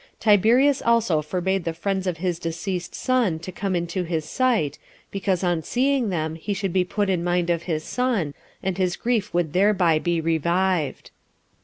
Tiberius also forbade the friends of his deceased son to come into his sight, because on seeing them he should be put in mind of his son, and his grief would thereby be revived.